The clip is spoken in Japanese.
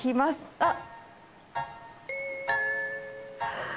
あっ。